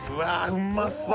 うまそっ